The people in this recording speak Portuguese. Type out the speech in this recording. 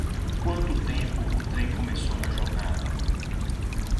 Quanto tempo o trem começou na jornada?